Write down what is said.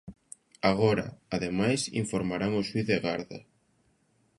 Agora, ademais, informarán o xuíz de garda.